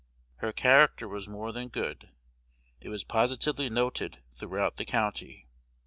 Her character was more than good: it was positively noted throughout the county.